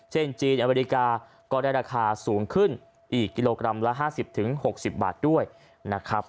จีนอเมริกาก็ได้ราคาสูงขึ้นอีกกิโลกรัมละ๕๐๖๐บาทด้วยนะครับ